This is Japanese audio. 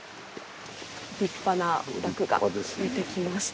立派なお宅が出てきました。